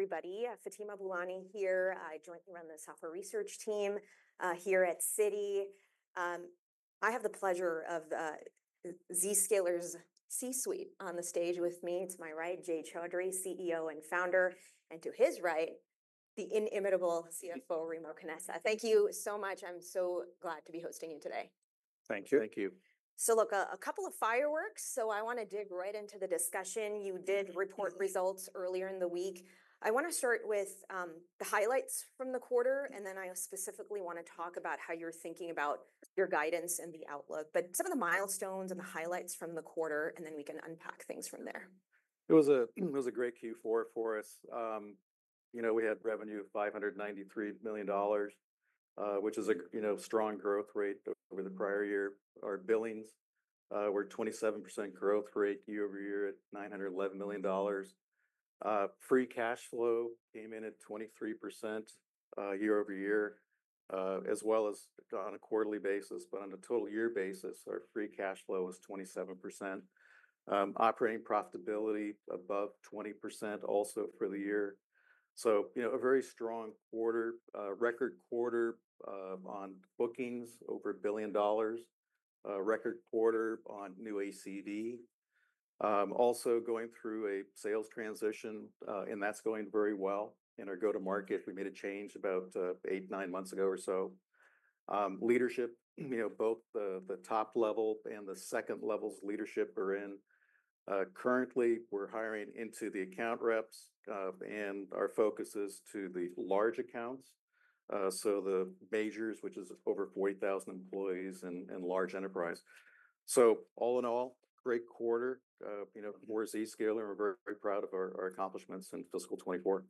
Everybody, Fatima Boolani here. I jointly run the Software Research Team here at Citi. I have the pleasure of Zscaler's C-suite on the stage with me. To my right, Jay Chaudhry, CEO and founder, and to his right, the inimitable CFO, Remo Canessa. Thank you so much. I'm so glad to be hosting you today. Thank you. Thank you. So look, a couple of fireworks, so I wanna dig right into the discussion. You did report results earlier in the week. I wanna start with the highlights from the quarter, and then I specifically wanna talk about how you're thinking about your guidance and the outlook. But some of the milestones and the highlights from the quarter, and then we can unpack things from there. It was, it was a great Q4 for us. You know, we had revenue of $593 million, which is, you know, strong growth rate over the prior year. Our billings were 27% growth rate, year-over-year, at $911 million. Free cash flow came in at 23% year-over-year as well as on a quarterly basis, but on a total year basis, our free cash flow was 27%. Operating profitability above 20% also for the year. So you know, a very strong quarter, record quarter on bookings, over $1 billion. Record quarter on new ACV. Also going through a sales transition and that's going very well. In our go-to-market, we made a change about eight, nine months ago or so. Leadership, you know, both the top level and the second levels of leadership are in. Currently, we're hiring into the account reps, and our focus is to the large accounts, so the majors, which is over 40,000 employees and and large enterprise. So all in all, great quarter, you know, more Zscaler, and we're very proud of our our accomplishments in fiscal 2024.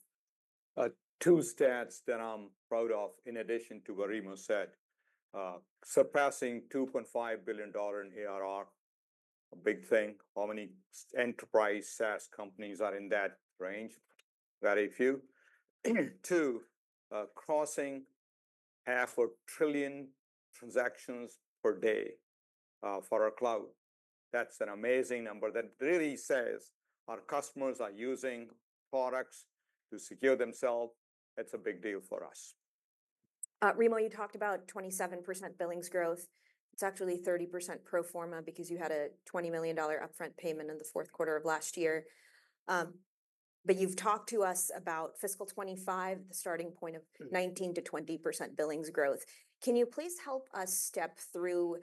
Two stats that I'm proud of, in addition to what Remo said, surpassing $2.5 billion in ARR, a big thing. How many enterprise SaaS companies are in that range? Very few. Two, crossing 500 trillion transactions per day, for our cloud. That's an amazing number that really says our customers are using products to secure themselves. It's a big deal for us. Remo, you talked about 27% billings growth. It's actually 30% pro forma because you had a $20 million upfront payment in the fourth quarter of last year, but you've talked to us about fiscal 2025, the starting point of- Mm... 19%-20% billings growth. Can you please help us step through,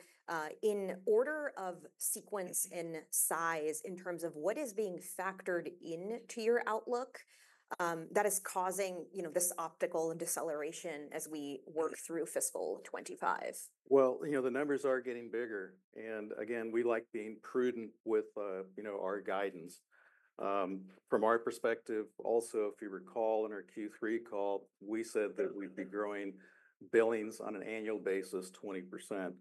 in order of sequence and size, in terms of what is being factored into your outlook, that is causing, you know, this optical and deceleration as we work through fiscal 2025? Well, you know, the numbers are getting bigger, and again, we like being prudent with, you know, our guidance. From our perspective, also, if you recall in our Q3 call, we said that we'd be growing billings on an annual basis, 20%.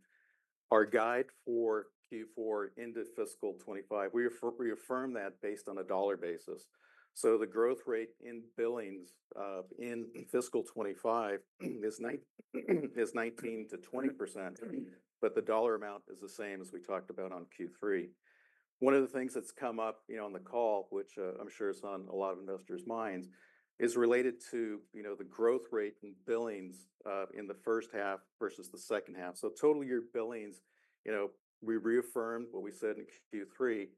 Our guide for Q4 into fiscal 2025, we we affirmed that based on a dollar basis. So the growth rate in billings in fiscal 2025 is 19%-20%, but the dollar amount is the same as we talked about on Q3. One of the things that's come up, you know, on the call, which I'm sure is on a lot of investors' minds, is related to, you know, the growth rate in billings in the first half versus the second half. So total year billings, you know, we reaffirmed what we said in Q3,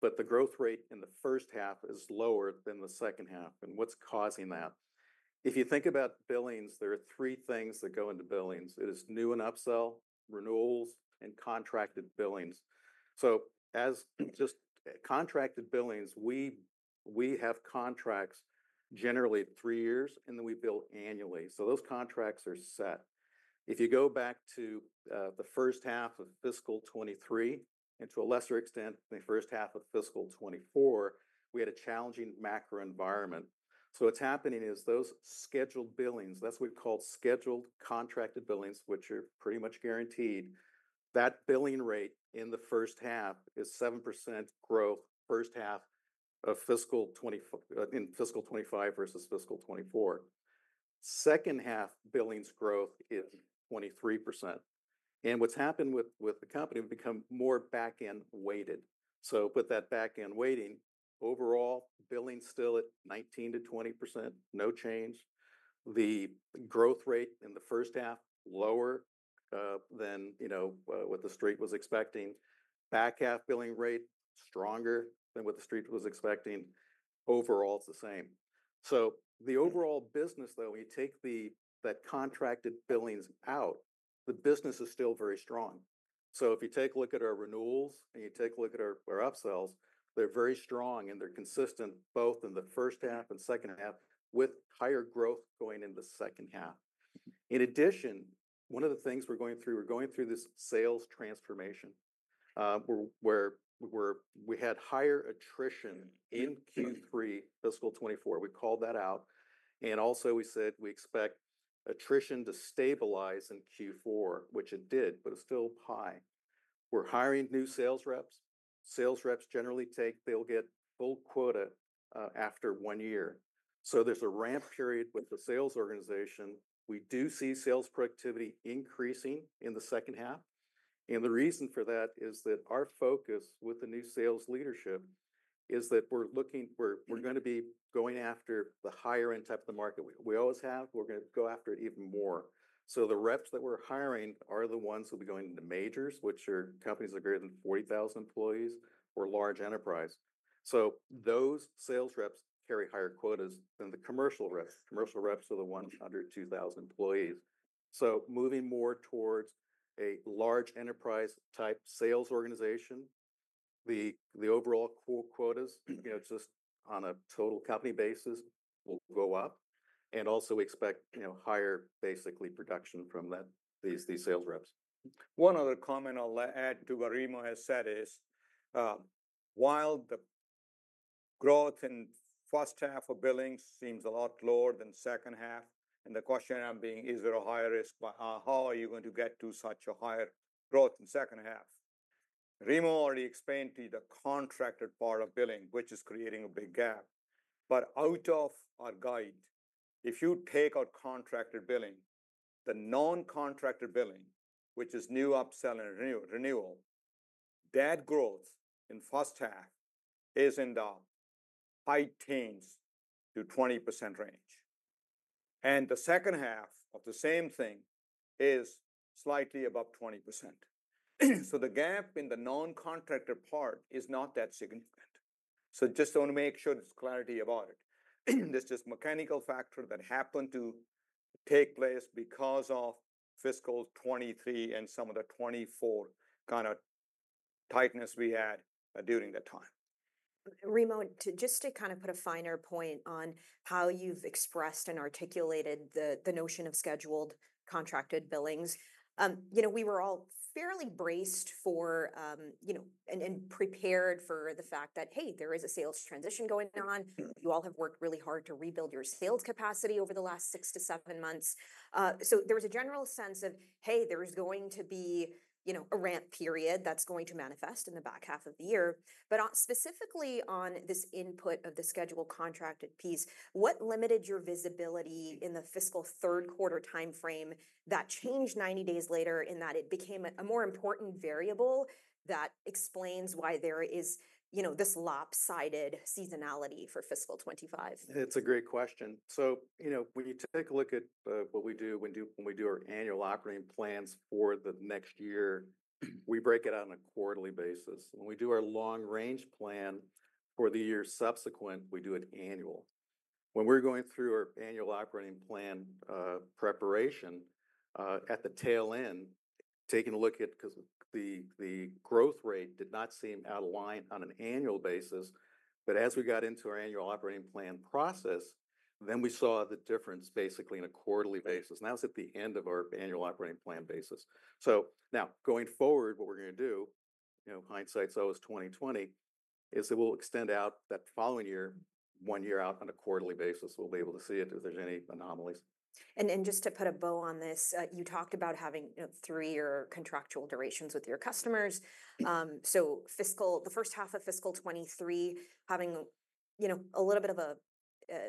but the growth rate in the first half is lower than the second half, and what's causing that? If you think about billings, there are three things that go into billings. It is new and upsell, renewals, and contracted billings. So, just contracted billings, we we have contracts generally three years, and then we bill annually, so those contracts are set. If you go back to the first half of fiscal 2023, and to a lesser extent, the first half of fiscal 2024, we had a challenging macro environment. So what's happening is those scheduled billings, that's what we call scheduled contracted billings, which are pretty much guaranteed, that billing rate in the first half is 7% growth, first half of fiscal 2025 versus fiscal 2024. Second half billings growth is 23%, and what's happened with with the company, we've become more back-end weighted. So with that back-end weighting, overall, billings still at 19%-20%, no change. The growth rate in the first half, lower than you know what the street was expecting. Back half billing rate, stronger than what the street was expecting. Overall, it's the same. So the overall business, though, when you take that contracted billings out, the business is still very strong. So if you take a look at our renewals and you take a look at our upsells, they're very strong, and they're consistent both in the first half and second half, with higher growth going into the second half. In addition, one of the things we're going through, we're going through this sales transformation, where where we had higher attrition in Q3, fiscal 2024. We called that out, and also we said we expect attrition to stabilize in Q4, which it did, but it's still high. We're hiring new sales reps. Sales reps generally they'll get full quota after one year. So there's a ramp period with the sales organization. We do see sales productivity increasing in the second half. And the reason for that is that our focus with the new sales leadership is that we're looking. We're gonna be going after the higher-end type of the market. We always have, we're gonna go after it even more. So the reps that we're hiring are the ones who'll be going into majors, which are companies that are greater than 40,000 employees or large enterprise. So those sales reps carry higher quotas than the commercial reps. Commercial reps are the ones under 2,000 employees. So moving more towards a large enterprise-type sales organization, the overall quotas, you know, just on a total company basis, will go up. And also, we expect, you know, higher basically production from that, these sales reps. One other comment I'll add to what Remo has said is, while the growth in first half of billings seems a lot lower than second half, and the question now being, is there a higher risk? But, how are you going to get to such a higher growth in second half? Remo already explained to you the contracted part of billing, which is creating a big gap. But out of our guide, if you take out contracted billing, the non-contracted billing, which is new upsell and renewal, that growth in first half is in the high teens to 20% range, and the second half of the same thing is slightly above 20%. So the gap in the non-contracted part is not that significant, so just want to make sure there's clarity about it. There's just mechanical factor that happened to take place because of fiscal 2023 and some of the 2024 kind of tightness we had during that time. Remo, just to kind of put a finer point on how you've expressed and articulated the notion of scheduled contracted billings. You know, we were all fairly braced for, you know, and prepared for the fact that, hey, there is a sales transition going on. Mm-hmm. You all have worked really hard to rebuild your sales capacity over the last six to seven months. So there was a general sense of, hey, there's going to be, you know, a ramp period that's going to manifest in the back half of the year. But on, specifically on this input of the scheduled contracted piece, what limited your visibility in the fiscal third quarter time frame that changed ninety days later, in that it became a, a more important variable that explains why there is, you know, this lopsided seasonality for fiscal 'twenty-five? It's a great question, so you know, when you take a look at what we do, when we do our annual operating plans for the next year, we break it out on a quarterly basis. When we do our long range plan for the year subsequent, we do it annual. When we're going through our annual operating plan preparation at the tail end, taking a look at... 'Cause the the growth rate did not seem out of line on an annual basis, but as we got into our annual operating plan process, then we saw the difference basically on a quarterly basis, and that was at the end of our annual operating plan basis, so now, going forward, what we're gonna do, you know, hindsight's always 20/20, is that we'll extend out that following year, one year out on a quarterly basis. We'll be able to see it if there's any anomalies. Just to put a bow on this, you know, you talked about having three-year contractual durations with your customers. Mm-hmm. So, fiscal, the first half of fiscal 2023, having, you know, a little bit of a,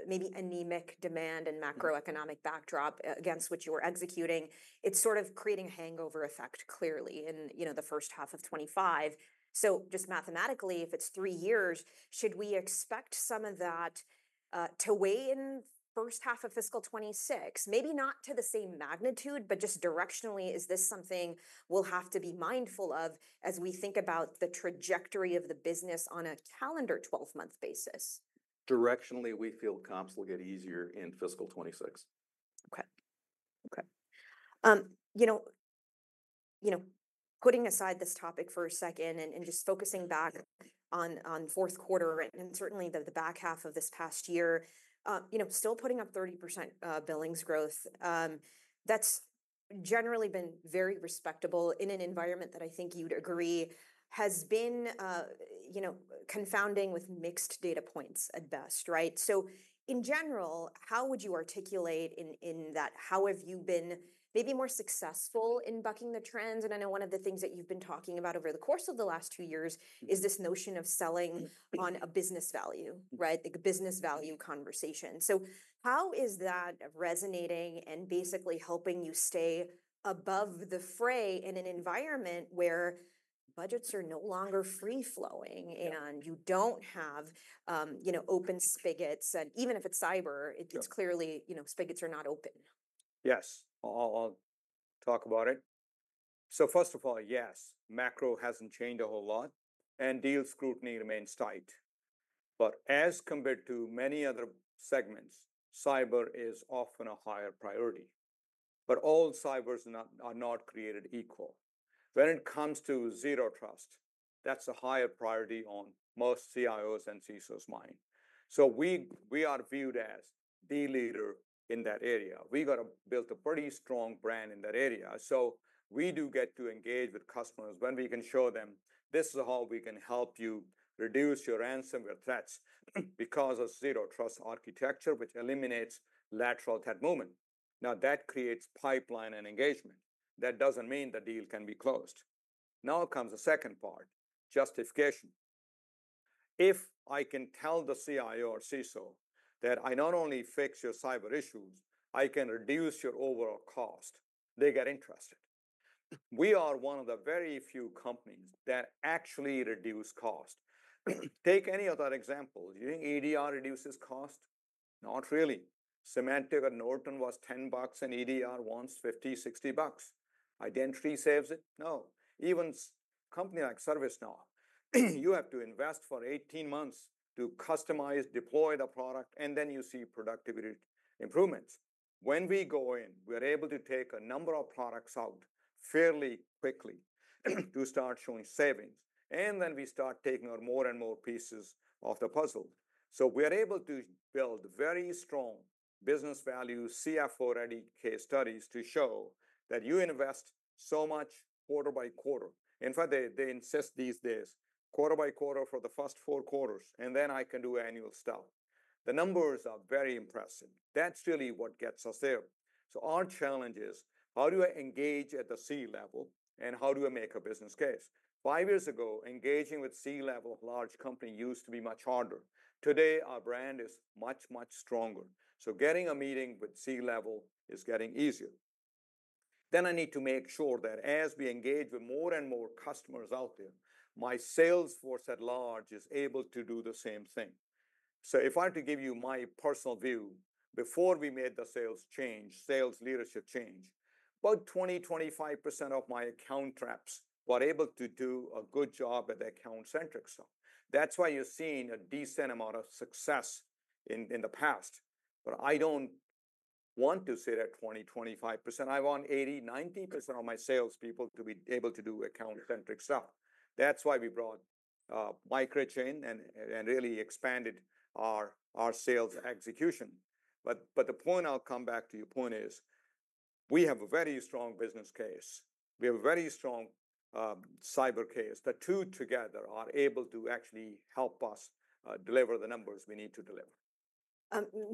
maybe anemic demand- Mm... and macroeconomic backdrop against which you were executing, it's sort of creating a hangover effect, clearly in, you know, the first half of 2025. So just mathematically, if it's three years, should we expect some of that to weigh in first half of fiscal 2026? Maybe not to the same magnitude, but just directionally, is this something we'll have to be mindful of as we think about the trajectory of the business on a calendar twelve-month basis? Directionally, we feel comps will get easier in fiscal 2026. Okay. Okay. You know, you know, putting aside this topic for a second and just focusing back on on fourth quarter, and certainly the back half of this past year, you know, still putting up 30% billings growth, that's generally been very respectable in an environment that I think you'd agree has been, you know, confounding with mixed data points at best, right? So in general, how would you articulate in that, how have you been maybe more successful in bucking the trends? And I know one of the things that you've been talking about over the course of the last two years is this notion of selling on a business value, right? The business value conversation. So how is that resonating and basically helping you stay above the fray in an environment where budgets are no longer free flowing- Yeah... and you don't have, you know, open spigots? And even if it's cyber- Yeah... it's clearly, you know, spigots are not open. Yes, I'll, I'll talk about it. So first of all, yes, macro hasn't changed a whole lot, and deal scrutiny remains tight. But as compared to many other segments, cyber is often a higher priority. But all cybers are not, are not created equal. When it comes to Zero Trust, that's a higher priority on most CIOs' and CSOs' minds. So we, we are viewed as the leader in that area. We got to build a pretty strong brand in that area. So we do get to engage with customers when we can show them, "This is how we can help you reduce your ransomware threats because of Zero Trust architecture, which eliminates lateral movement." Now, that creates pipeline and engagement. That doesn't mean the deal can be closed. Now comes the second part, justification.... If I can tell the CIO or CISO that I not only fix your cyber issues, I can reduce your overall cost, they get interested. Mm. We are one of the very few companies that actually reduce cost. Take any other example. You think EDR reduces cost? Not really. Symantec and Norton was $10, and EDR wants $50-$60. Identity saves it? No. Even a company like ServiceNow, you have to invest for eighteen months to customize, deploy the product, and then you see productivity improvements. When we go in, we're able to take a number of products out fairly quickly, to start showing savings, and then we start taking out more and more pieces of the puzzle. So we're able to build very strong business value, CFO-ready case studies to show that you invest so much quarter by quarter. In fact, they, they insist these days, quarter by quarter for the first four quarters, and then I can do annual stuff. The numbers are very impressive. That's really what gets us there. So our challenge is, how do I engage at the C-level, and how do I make a business case? Five years ago, engaging with C-level of large company used to be much harder. Today, our brand is much, much stronger, so getting a meeting with C-level is getting easier. Then I need to make sure that as we engage with more and more customers out there, my sales force at large is able to do the same thing. So if I were to give you my personal view, before we made the sales change, sales leadership change, about 20-25% of my account reps were able to do a good job at the account-centric stuff. That's why you're seeing a decent amount of success in the past. But I don't want to sit at 20-25%. I want 80%-90% of my salespeople to be able to do account-centric stuff. That's why we brought Mike Rich and really expanded our our sales execution. But the point I'll come back to your point is, we have a very strong business case. We have a very strong cyber case. The two together are able to actually help us deliver the numbers we need to deliver.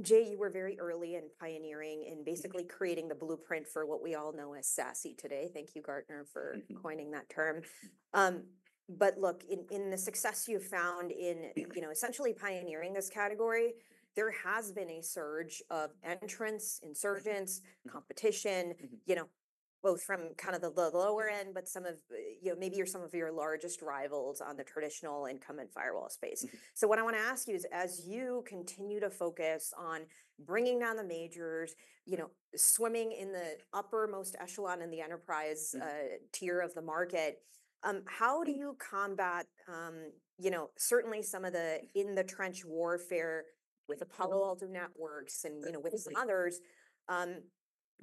Jay, you were very early in pioneering and basically creating the blueprint for what we all know as SASE today. Thank you, Gartner, for- Mm-hmm... coining that term. But look, in the success you found in, you know, essentially pioneering this category, there has been a surge of entrants, insurgents, competition- Mm-hmm... you know, both from kind of the lower end, but some of, you know, maybe some of your largest rivals on the traditional incumbent firewall space. Mm-hmm. So what I want to ask you is, as you continue to focus on bringing down the majors, you know, swimming in the uppermost echelon in the enterprise- Mm... tier of the market, how do you combat, you know, certainly some of the in-the-trench warfare with Palo Alto Networks and, you know, with others? Exactly ...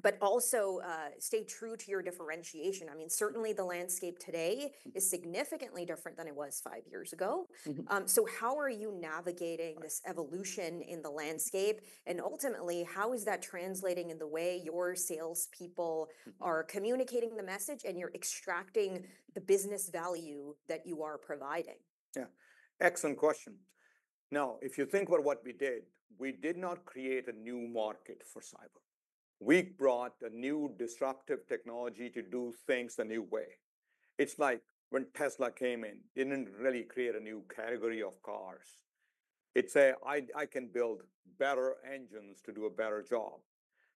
but also, stay true to your differentiation? I mean, certainly the landscape today is significantly different than it was five years ago. Mm-hmm. So how are you navigating this evolution in the landscape? And ultimately, how is that translating in the way your salespeople are communicating the message, and you're extracting the business value that you are providing? Yeah. Excellent question. Now, if you think about what we did, we did not create a new market for cyber. We brought a new disruptive technology to do things a new way. It's like when Tesla came in, didn't really create a new category of cars. It say, "I, I can build better engines to do a better job."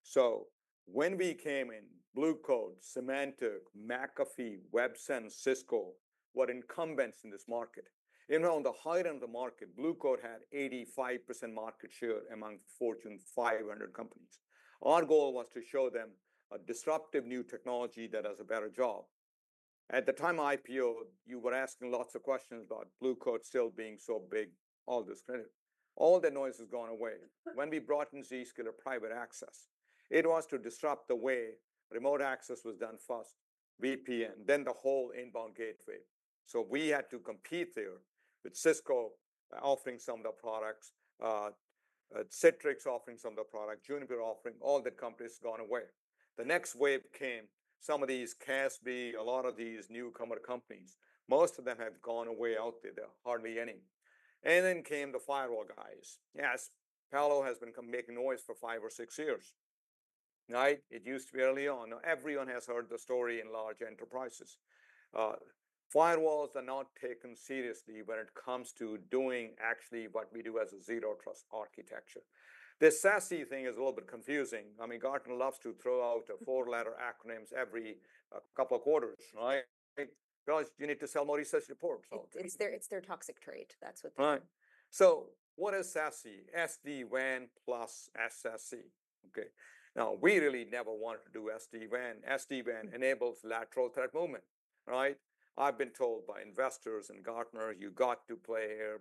So when we came in, Blue Coat, Symantec, McAfee, Websense, Cisco, were incumbents in this market. You know, on the high end of the market, Blue Coat had 85% market share among Fortune 500 companies. Our goal was to show them a disruptive new technology that does a better job. At the time of IPO, you were asking lots of questions about Blue Coat still being so big, all this chatter. All the noise has gone away. When we brought in Zscaler Private Access, it was to disrupt the way remote access was done first, VPN, then the whole inbound gateway. So we had to compete there with Cisco offering some of the products, Citrix offering some of the product, Juniper offering. All the companies gone away. The next wave came, some of these CASB, a lot of these newcomer companies. Most of them have gone away out there. There are hardly any. And then came the firewall guys. Yes, Palo has been making noise for five or six years. Right? It used to be early on. Everyone has heard the story in large enterprises. Firewalls are not taken seriously when it comes to doing actually what we do as a zero trust architecture. This SASE thing is a little bit confusing. I mean, Gartner loves to throw out... Four-letter acronyms every couple of quarters, right? Because you need to sell more research reports, so. It's their toxic trait. That's what they do. Right. So what is SASE? SD-WAN plus SSE. Okay, now we really never wanted to do SD-WAN. SD-WAN enables lateral threat movement, right? I've been told by investors and Gartner, "You got to play here,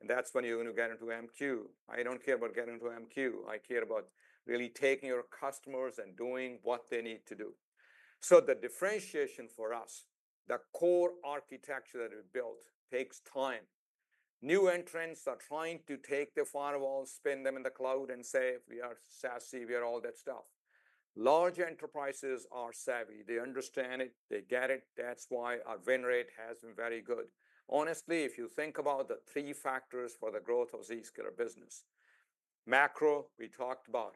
and that's when you're going to get into MQ." I don't care about getting into MQ. I care about really taking your customers and doing what they need to do. So the differentiation for us, the core architecture that we built, takes time. New entrants are trying to take the firewall, spin them in the cloud, and say, "We are SASE, we are all that stuff." Large enterprises are savvy. They understand it. They get it. That's why our win rate has been very good. Honestly, if you think about the three factors for the growth of Zscaler business-... macro, we talked about.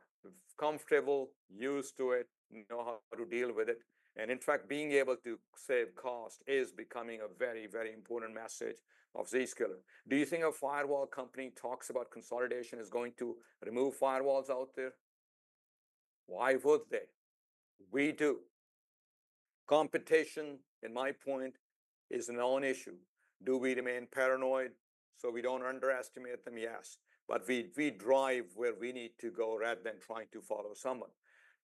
Comfortable, used to it, know how to deal with it, and in fact, being able to save cost is becoming a very, very important message of Zscaler. Do you think a firewall company talks about consolidation is going to remove firewalls out there? Why would they? We do. Competition, in my point, is a non-issue. Do we remain paranoid so we don't underestimate them? Yes, but we, we drive where we need to go rather than trying to follow someone.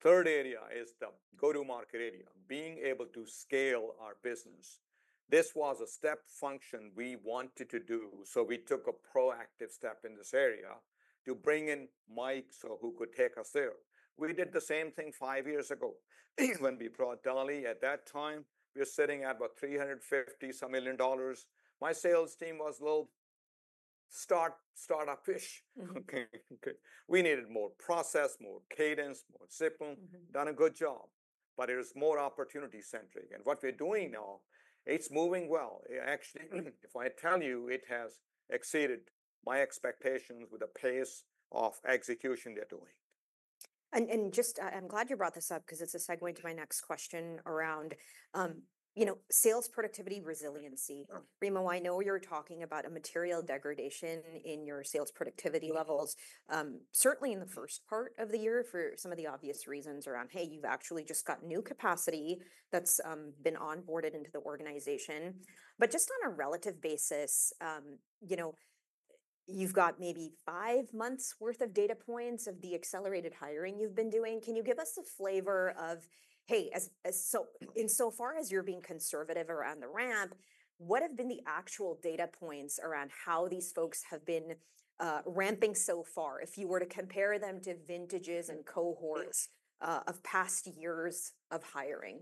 Third area is the go-to-market area, being able to scale our business. This was a step function we wanted to do, so we took a proactive step in this area to bring in Mike, so, who could take us there. We did the same thing five years ago when we brought Dali. At that time, we were sitting at about $350 million. My sales team was a little startup-ish. Mm-hmm. Okay? We needed more process, more cadence, more discipline. Mm-hmm. Done a good job, but it is more opportunity-centric, and what we're doing now, it's moving well. Actually, if I tell you, it has exceeded my expectations with the pace of execution they're doing. And just, I'm glad you brought this up 'cause it's a segue into my next question around, you know, sales productivity resiliency. Sure. Remo, I know you're talking about a material degradation in your sales productivity levels, certainly in the first part of the year, for some of the obvious reasons around, hey, you've actually just got new capacity that's been onboarded into the organization. But just on a relative basis, you know, you've got maybe five months' worth of data points of the accelerated hiring you've been doing. Can you give us a flavor of, hey, as so in so far as you're being conservative around the ramp, what have been the actual data points around how these folks have been ramping so far, if you were to compare them to vintages and cohorts of past years of hiring?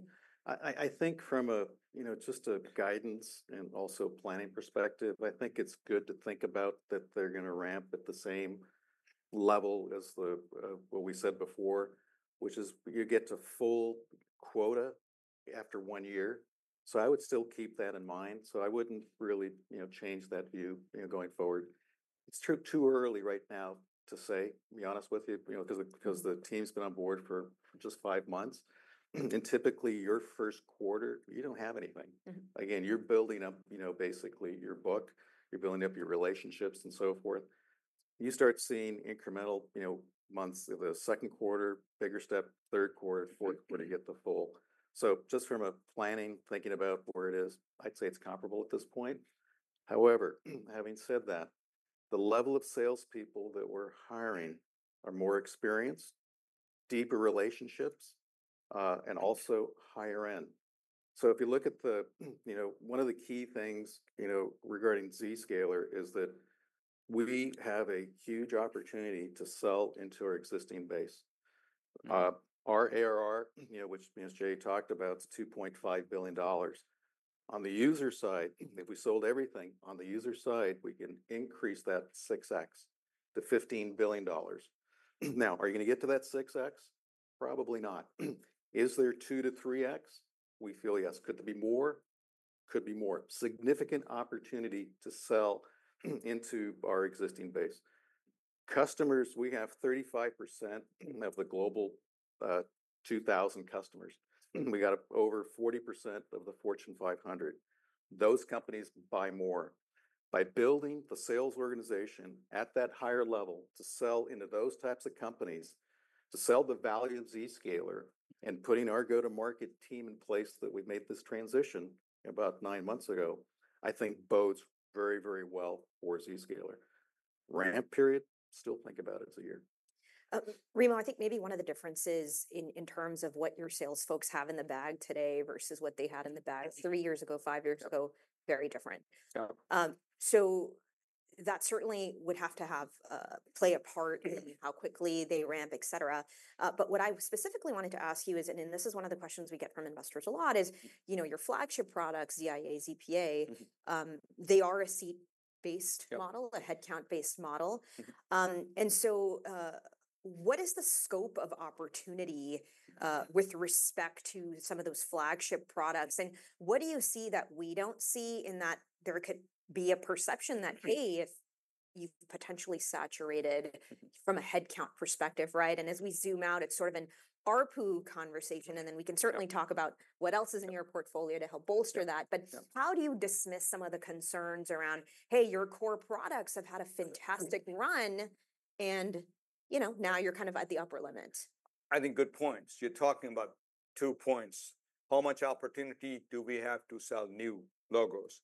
I think from a you know just a guidance and also planning perspective, I think it's good to think about that they're gonna ramp at the same level as the what we said before, which is you get to full quota after one year. So I would still keep that in mind, so I wouldn't really you know change that view you know going forward. It's too early right now to say, be honest with you you know 'cause the team's been on board for just five months, and typically your first quarter you don't have anything. Mm-hmm. Again, you're building up, you know, basically your book, you're building up your relationships and so forth. You start seeing incremental, you know, months, in the second quarter, bigger step, third quarter, fourth quarter, you get the full. So just from a planning, thinking about where it is, I'd say it's comparable at this point. However, having said that, the level of salespeople that we're hiring are more experienced, deeper relationships, and also higher end. So if you look at the, you know, one of the key things, you know, regarding Zscaler is that we have a huge opportunity to sell into our existing base. Mm-hmm. Our ARR, you know, which me and Jay talked about, is $2.5 billion. On the user side, if we sold everything on the user side, we can increase that 6X to $15 billion. Now, are you gonna get to that 6X? Probably not. Is there 2-3X? We feel, yes. Could there be more? Could be more. Significant opportunity to sell into our existing base. Customers, we have 35% of the Global 2000 customers. We got over 40% of the Fortune 500. Those companies buy more. By building the sales organization at that higher level to sell into those types of companies, to sell the value of Zscaler and putting our go-to-market team in place, that we've made this transition about nine months ago, I think bodes very, very well for Zscaler. Ramp period, still think about it as a year. Remo, I think maybe one of the differences in terms of what your sales folks have in the bag today versus what they had in the bag three years ago, five years ago. Yeah... very different. Yeah. So that certainly would have to have play a part in how quickly they ramp, et cetera. But what I specifically wanted to ask you is, and this is one of the questions we get from investors a lot, is, you know, your flagship products, ZIA, ZPA- Mm-hmm... they are a seat-based model- Yep... a headcount-based model. Mm-hmm. And so, what is the scope of opportunity with respect to some of those flagship products? And what do you see that we don't see in that there could be a perception that, hey, if you've potentially saturated- Mm-hmm... from a headcount perspective, right, and as we zoom out, it's sort of an ARPU conversation, and then we can certainly- Yeah... talk about what else is in your portfolio to help bolster that. Yeah, yeah. But how do you dismiss some of the concerns around, "Hey, your core products have had a fantastic run, and, you know, now you're kind of at the upper limit? I think good points. You're talking about two points: How much opportunity do we have to sell new logos?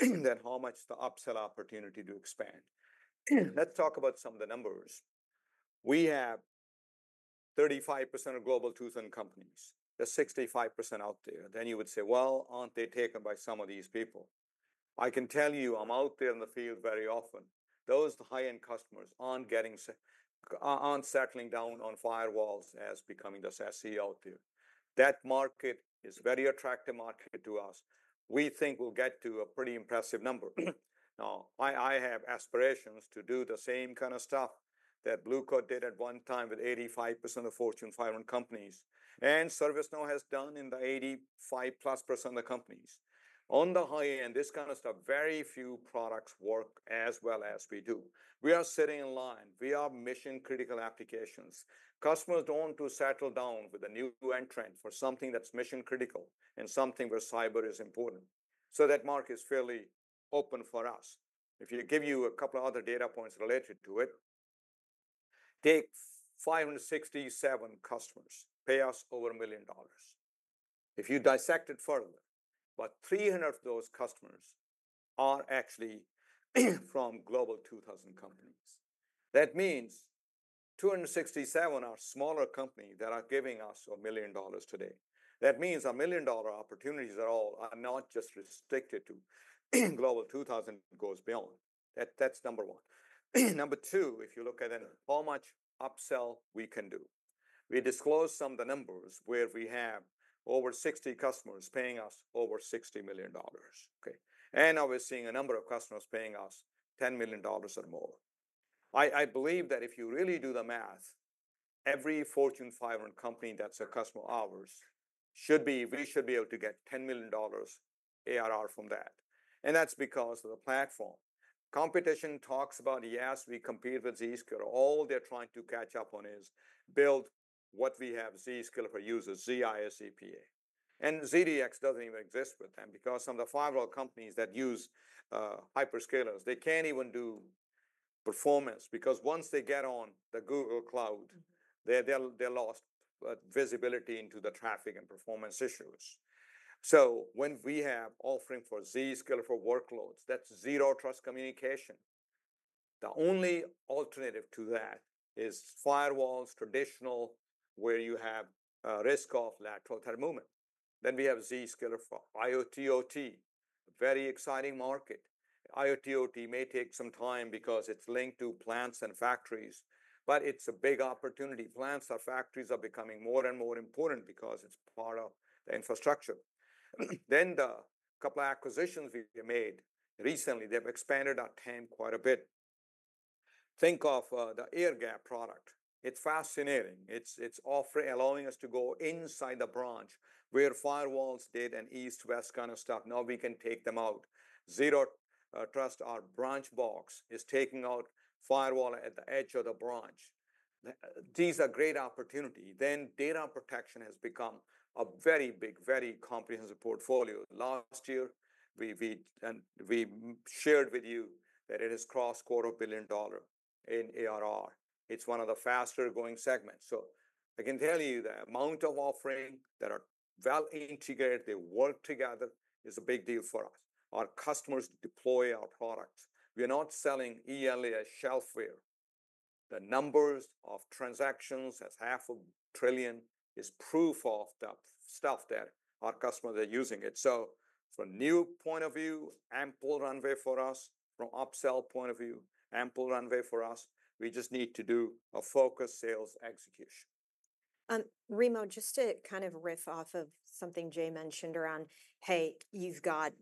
Then how much the upsell opportunity to expand. Let's talk about some of the numbers. We have 35% of Global 2000 companies. There's 65% out there. Then you would say, "Well, aren't they taken by some of these people?" I can tell you, I'm out there in the field very often. Those are the high-end customers, aren't settling down on firewalls as becoming the SASE out there. That market is a very attractive market to us. We think we'll get to a pretty impressive number. Now, I have aspirations to do the same kind of stuff that Blue Coat did at one time with 85% of Fortune 500 companies, and ServiceNow has done in the 85% plus percent of the companies. On the high end, this kind of stuff, very few products work as well as we do. We are sitting in line. We are mission-critical applications. Customers don't want to settle down with a new entrant for something that's mission critical and something where cyber is important. So that market is fairly open for us. If I give you a couple of other data points related to it, 567 customers pay us over $1 million. If you dissect it further, about 300 of those customers are actually from Global 2000 companies. That means 267 are smaller companies that are giving us $1 million today. That means $1 million opportunities at all are not just restricted to Global 2000, it goes beyond. That, that's number one. Number two, if you look at then how much upsell we can do. We disclose some of the numbers where we have over sixty customers paying us over $60 million, okay? And now we're seeing a number of customers paying us $10 million or more. I believe that if you really do the math, every Fortune 500 company that's a customer of ours we should be able to get $10 million ARR from that, and that's because of the platform. Competition talks about, yes, we compete with Zscaler. All they're trying to catch up on is build what we have Zscaler for Users, ZIA ZPA. And ZDX doesn't even exist with them because some of the firewall companies that use hyperscalers, they can't even do performance, because once they get on the Google Cloud, they lost visibility into the traffic and performance issues. So when we have offering for Zscaler for Workloads, that's Zero Trust communication. The only alternative to that is firewalls, traditional, where you have risk of lateral movement. Then we have Zscaler for IoT/OT, a very exciting market. IoT/OT may take some time because it's linked to plants and factories, but it's a big opportunity. Plants or factories are becoming more and more important because it's part of the infrastructure. Then the couple acquisitions we made recently, they've expanded our team quite a bit. Think of the Airgap product. It's fascinating. It's offering, allowing us to go inside the branch where firewalls did an east-west kind of stuff. Now we can take them out. Zero Trust, our branch box is taking out firewall at the edge of the branch. These are great opportunity. Then data protection has become a very big, very comprehensive portfolio. Last year, we shared with you that it has crossed $250 million in ARR. It's one of the faster-growing segments. So I can tell you the amount of offering that are well integrated, they work together, is a big deal for us. Our customers deploy our products. We are not selling ELAs shelfware. The numbers of transactions, that's half a trillion, is proof of the stuff that our customers are using it. So from new point of view, ample runway for us. From upsell point of view, ample runway for us. We just need to do a focused sales execution. Remo, just to kind of riff off of something Jay mentioned around, hey, you've got,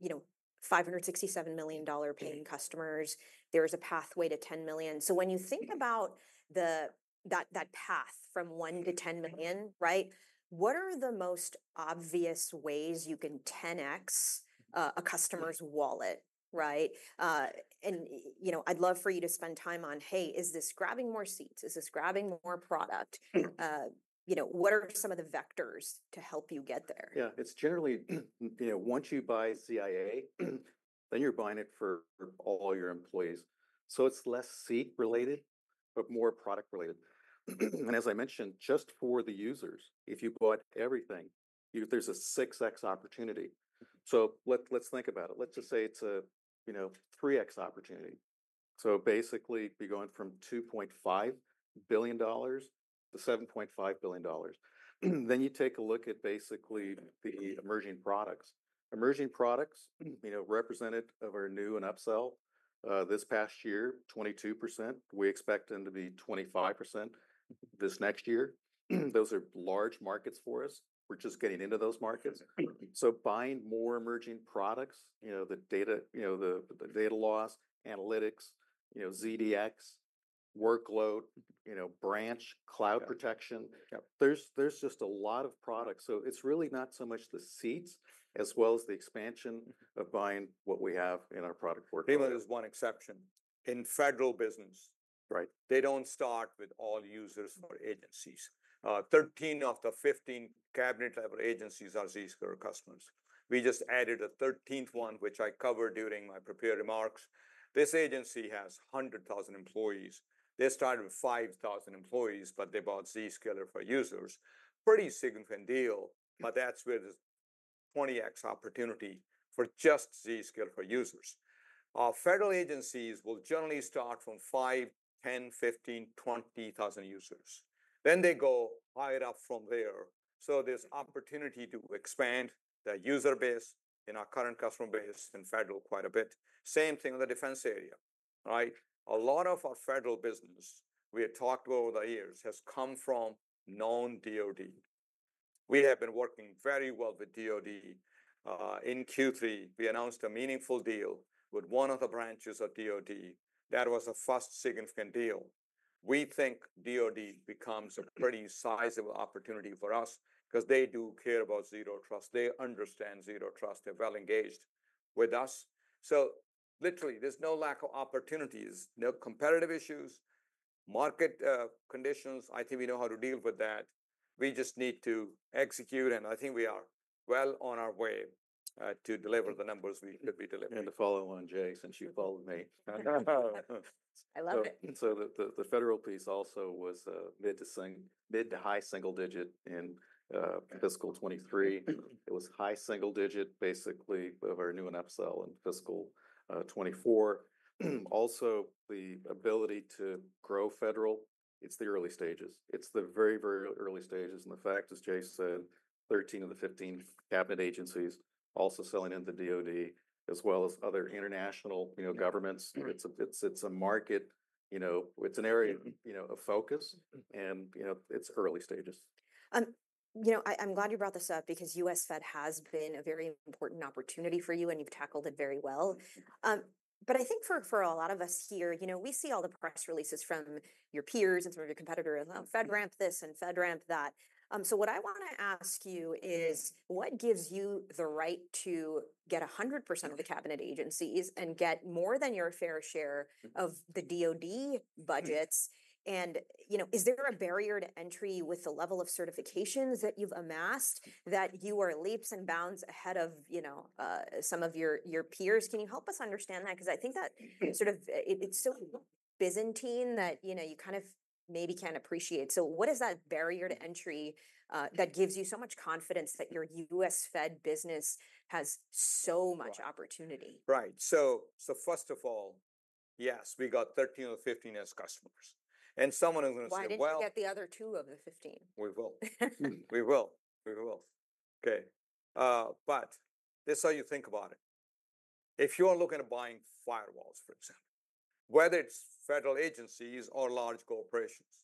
you know, $567 million paying customers. There is a pathway to 10 million. So when you think about that path from one to 10 million, right? What are the most obvious ways you can 10X a customer's wallet, right? And, you know, I'd love for you to spend time on, hey, is this grabbing more seats? Is this grabbing more product? Hmm. You know, what are some of the vectors to help you get there? Yeah, it's generally, you know, once you buy ZIA, then you're buying it for all your employees. So it's less seat related, but more product related. And as I mentioned, just for the users, if you bought everything, there's a 6X opportunity. So let let's think about it. Let's just say it's a, you know, 3X opportunity. So basically, you're going from $2.5 billion to $7.5 billion. Then you take a look at basically the emerging products. Emerging products, you know, represented of our new and upsell this past year, 22%. We expect them to be 25% this next year. Those are large markets for us. We're just getting into those markets. So buying more emerging products, you know, the data, you know, data loss, analytics, you know, ZDX, workload, you know, branch, cloud protection. Yep. There's just a lot of products, so it's really not so much the seats as well as the expansion of buying what we have in our product portfolio. There's one exception. In federal business- Right They don't start with all users or agencies. Thirteen of the 15 cabinet-level agencies are Zscaler customers. We just added a 13th one, which I covered during my prepared remarks. This agency has 100,000 employees. They started with 5,000 employees, but they bought Zscaler for Users. Pretty significant deal, but that's where the 20x opportunity for just Zscaler for Users. Our federal agencies will generally start from 5,000, 10,000, 15,000, 20,000 users, then they go higher up from there. So there's opportunity to expand the user base and our current customer base in federal quite a bit. Same thing in the defense area, right? A lot of our federal business we have talked about over the years has come from non-DoD.... We have been working very well with DoD. In Q3, we announced a meaningful deal with one of the branches of DoD. That was a first significant deal. We think DoD becomes a pretty sizable opportunity for us 'cause they do care about Zero Trust. They understand Zero Trust. They're well-engaged with us. So literally, there's no lack of opportunities, no competitive issues. Market conditions, I think we know how to deal with that. We just need to execute, and I think we are well on our way to deliver the numbers we could be delivering. To follow on Jay, since you followed me. I love it. The federal piece also was mid- to high single digit in fiscal 2023. It was high single digit, basically, of our new and upsell in fiscal 2024. Also, the ability to grow federal, it's the early stages. It's the very, very early stages, and the fact, as Jay said, 13 of the 15 cabinet agencies also selling into DoD, as well as other international, you know, governments. It's a market, you know, it's an area, you know, of focus, and, you know, it's early stages. You know, I'm glad you brought this up because U.S. Fed has been a very important opportunity for you, and you've tackled it very well. But I think for a lot of us here, you know, we see all the press releases from your peers and from your competitor, and, "Oh, FedRAMP this and FedRAMP that." So what I wanna ask you is, what gives you the right to get 100% of the cabinet agencies and get more than your fair share of the DoD budgets? And, you know, is there a barrier to entry with the level of certifications that you've amassed, that you are leaps and bounds ahead of, you know, some of your peers? Can you help us understand that? 'Cause I think that- Mm... sort of, it, it's so Byzantine that, you know, you kind of maybe can't appreciate. So what is that barrier to entry that gives you so much confidence that your U.S. Fed business has so much opportunity? Right. So first of all, yes, we got thirteen of the fifteen as customers, and someone is gonna say, "Well- Why didn't you get the other two of the fifteen? We will. We will. We will. Okay, but this is how you think about it. If you are looking at buying firewalls, for example, whether it's federal agencies or large corporations,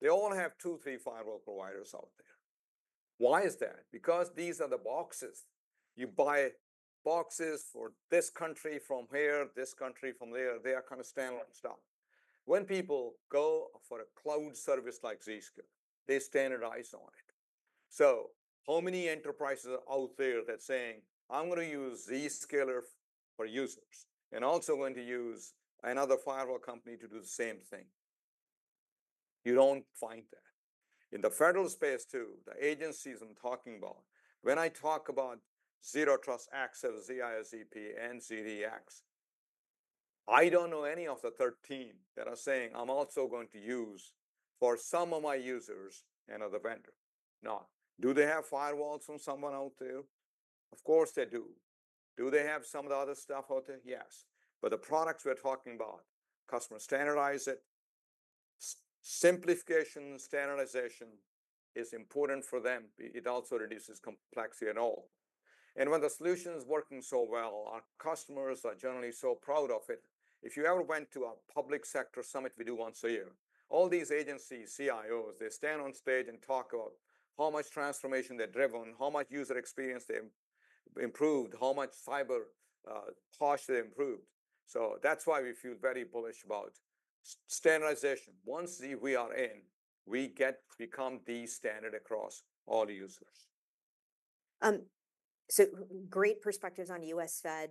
they all have two, three firewall providers out there. Why is that? Because these are the boxes. You buy boxes for this country from here, this country from there. They are kind of standard stuff. When people go for a cloud service like Zscaler, they standardize on it. So how many enterprises are out there that saying, "I'm gonna use Zscaler for Users, and also going to use another firewall company to do the same thing?" You don't find that. In the federal space, too, the agencies I'm talking about, when I talk about Zero Trust Access, ZIA, and ZDX, I don't know any of the 13 that are saying, "I'm also going to use, for some of my users, another vendor." No. Do they have firewalls from someone out there? Of course they do. Do they have some of the other stuff out there? Yes, but the products we're talking about, customers standardize it. Simplification, standardization is important for them. It also reduces complexity and all. And when the solution is working so well, our customers are generally so proud of it. If you ever went to a public sector summit we do once a year, all these agencies, CIOs, they stand on stage and talk about how much transformation they've driven, how much user experience they improved, how much cyber posture they improved. So that's why we feel very bullish about standardization. Once we are in, we become the standard across all users. So great perspectives on U.S. Fed.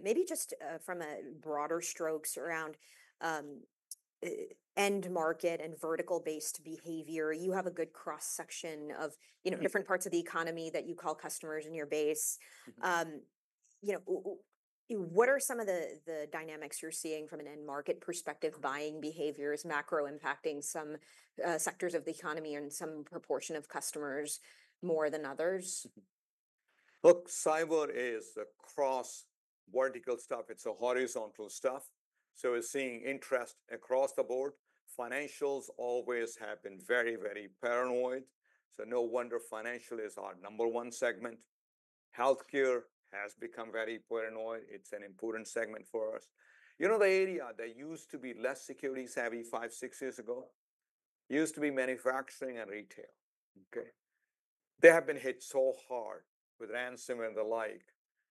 Maybe just from a broader strokes around end market and vertical-based behavior, you have a good cross-section of, you know- Mm-hmm... different parts of the economy that you call customers in your base. Mm-hmm. You know, what are some of the dynamics you're seeing from an end market perspective, buying behaviors, macro impacting some sectors of the economy and some proportion of customers more than others? Look, cyber is a cross-vertical stuff. It's a horizontal stuff, so we're seeing interest across the board. Financials always have been very, very paranoid, so no wonder financial is our number one segment. Healthcare has become very paranoid. It's an important segment for us. You know, the area that used to be less security-savvy five, six years ago, used to be manufacturing and retail, okay? They have been hit so hard with ransomware and the like.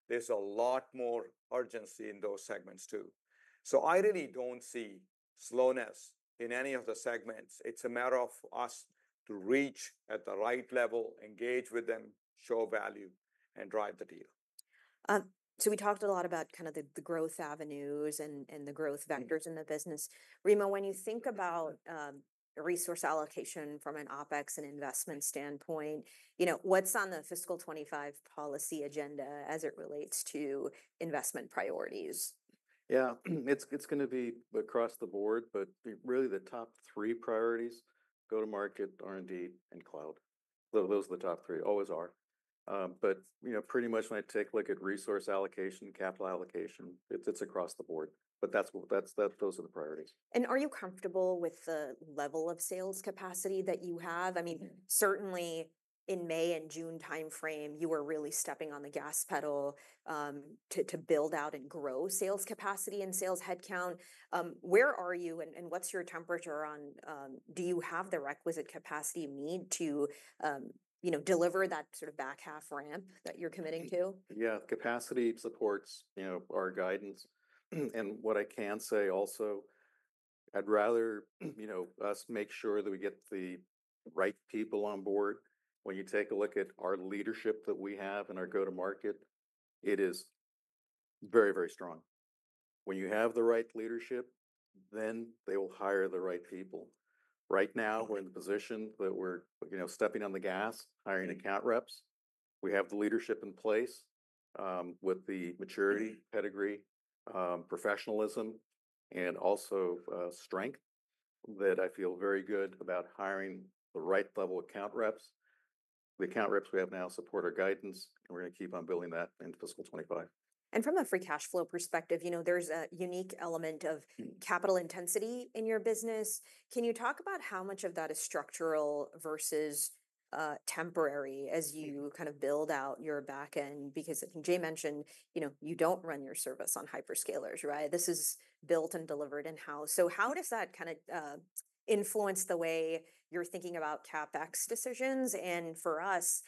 There's a lot more urgency in those segments too. So I really don't see slowness in any of the segments. It's a matter of us to reach at the right level, engage with them, show value, and drive the deal. So we talked a lot about kind of the growth avenues and the growth vectors in the business. Remo, when you think about resource allocation from an OpEx and investment standpoint, you know, what's on the fiscal 2025 policy agenda as it relates to investment priorities? Yeah, it's gonna be across the board, but really, the top three priorities: go to market, R&D, and cloud. Those are the top three, always are. But, you know, pretty much when I take a look at resource allocation, capital allocation, it's across the board. But that's, those are the priorities. Are you comfortable with the level of sales capacity that you have? I mean, certainly in May and June time frame, you were really stepping on the gas pedal, to build out and grow sales capacity and sales headcount. Where are you, and what's your temperature on, do you have the requisite capacity you need to, you know, deliver that sort of back half ramp that you're committing to? Yeah, capacity supports, you know, our guidance, and what I can say also, I'd rather, you know, us make sure that we get the right people on board. When you take a look at our leadership that we have and our go-to-market, it is very, very strong. When you have the right leadership, then they will hire the right people. Right now, we're in the position that we're, you know, stepping on the gas, hiring account reps. We have the leadership in place, with the maturity, pedigree, professionalism, and also, strength, that I feel very good about hiring the right level of account reps. The account reps we have now support our guidance, and we're gonna keep on building that into fiscal 2025. And from a Free Cash Flow perspective, you know, there's a unique element of- Mm... capital intensity in your business. Can you talk about how much of that is structural versus temporary as you kind of build out your back end? Because I think Jay mentioned, you know, you don't run your service on hyperscalers, right? This is built and delivered in-house. So how does that kinda influence the way you're thinking about CapEx decisions and, for us,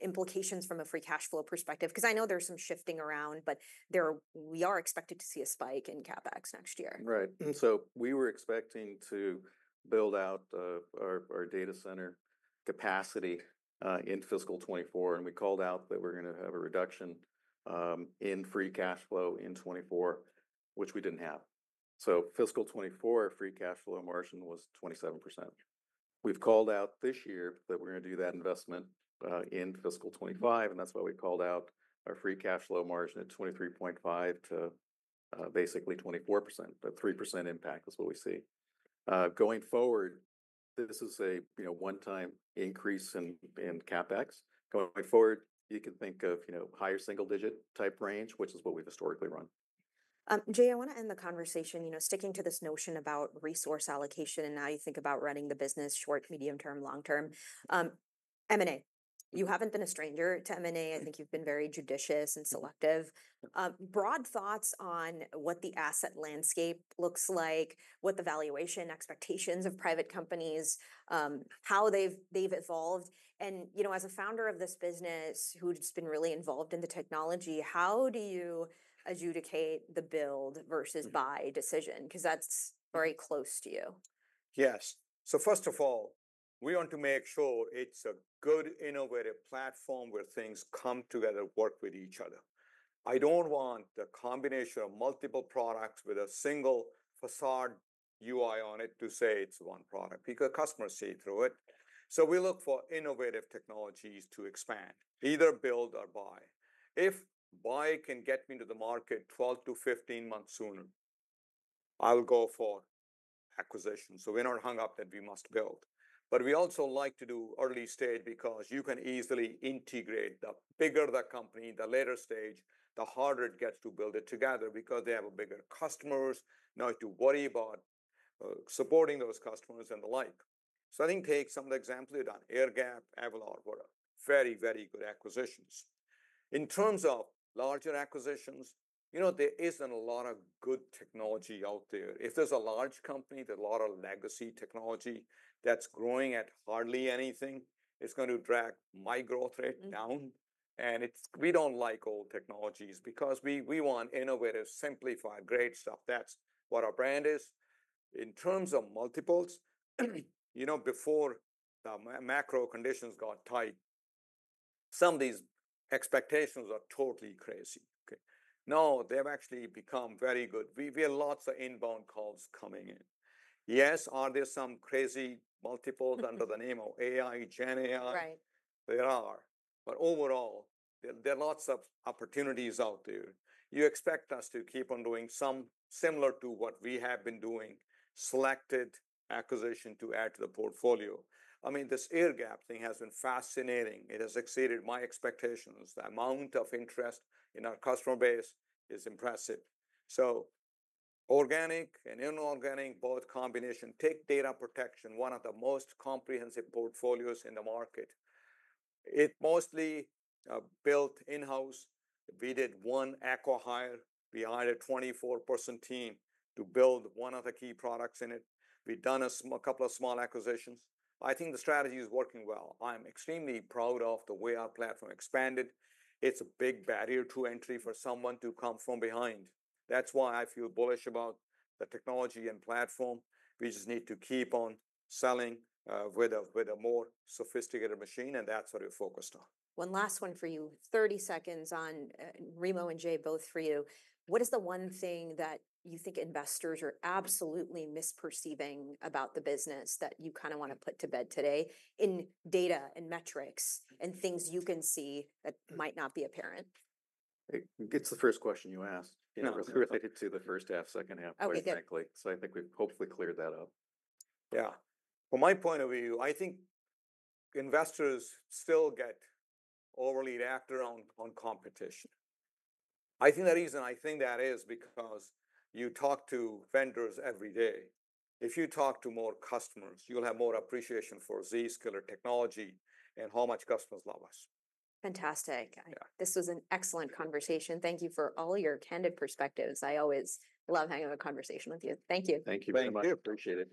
implications from a free cash flow perspective? 'Cause I know there's some shifting around, but we are expected to see a spike in CapEx next year. Right. So we were expecting to build out our our data center capacity in fiscal 2024, and we called out that we're gonna have a reduction in free cash flow in 2024, which we didn't have. So fiscal 2024 free cash flow margin was 27%. We've called out this year that we're gonna do that investment in fiscal 2025, and that's why we called out our free cash flow margin at 23.5% to basically 24%. A 3% impact is what we see. Going forward, this is a you know one-time increase in CapEx. Going forward, you can think of you know higher single-digit type range, which is what we've historically run. Jay, I wanna end the conversation, you know, sticking to this notion about resource allocation and how you think about running the business short, medium term, long term. M&A, you haven't been a stranger to M&A. Mm. I think you've been very judicious and selective. Broad thoughts on what the asset landscape looks like, what the valuation expectations of private companies, how they've evolved, and, you know, as a founder of this business, who's been really involved in the technology, how do you adjudicate the build versus- Mm... buy decision? 'Cause that's very close to you. Yes. So first of all, we want to make sure it's a good, innovative platform where things come together, work with each other. I don't want a combination of multiple products with a single facade UI on it to say it's one product, because customers see through it. So we look for innovative technologies to expand, either build or buy. If buy can get me to the market 12-15 months sooner, I'll go for acquisition, so we're not hung up that we must build. But we also like to do early stage because you can easily integrate. The bigger the company, the later stage, the harder it gets to build it together because they have a bigger customers, now have to worry about supporting those customers and the like. So I think take some of the examples we've done, Airgap, Avalor, were very, very good acquisitions. In terms of larger acquisitions, you know, there isn't a lot of good technology out there. If there's a large company, there's a lot of legacy technology that's growing at hardly anything, it's going to drag my growth rate down. Mm. And it's we don't like old technologies because we want innovative, simplified, great stuff. That's what our brand is. In terms of multiples, you know, before the macro conditions got tight, some of these expectations are totally crazy, okay. Now, they've actually become very good. We have lots of inbound calls coming in. Yes, are there some crazy multiples under the name of AI, GenAI? Right. There are. But overall, there are lots of opportunities out there. You expect us to keep on doing some similar to what we have been doing, selected acquisition to add to the portfolio. I mean, this Airgap thing has been fascinating. It has exceeded my expectations. The amount of interest in our customer base is impressive. So organic and inorganic, both combination. Take data protection, one of the most comprehensive portfolios in the market. It mostly built in-house. We did one acqui-hire. We hired a 24-person team to build one of the key products in it. We've done a couple of small acquisitions. I think the strategy is working well. I'm extremely proud of the way our platform expanded. It's a big barrier to entry for someone to come from behind. That's why I feel bullish about the technology and platform. We just need to keep on selling with a more sophisticated machine, and that's what we're focused on. One last one for you. Thirty seconds on, Remo and Jay, both for you, what is the one thing that you think investors are absolutely misperceiving about the business that you kinda wanna put to bed today, in data and metrics and things you can see that might not be apparent? It's the first question you asked- Yeah... related to the first half, second half, quite frankly. Okay, good. So I think we've hopefully cleared that up. Yeah. From my point of view, I think investors still get overly reactive on competition. I think the reason I think that is because you talk to vendors every day. If you talk to more customers, you'll have more appreciation for Zscaler technology and how much customers love us. Fantastic. Yeah. This was an excellent conversation. Thank you for all your candid perspectives. I always love having a conversation with you. Thank you. Thank you very much. Thank you. Appreciate it.